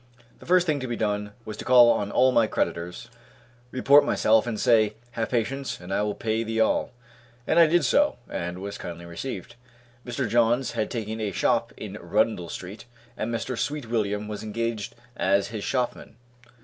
The first thing to be done was to call on all my creditors, report myself, and say, "Have patience and I will pay thee all," and I did so, and was kindly received. Mr. Johns had taken a shop in Rundle street, and Mr. Sweetwilliam was engaged as his shopman.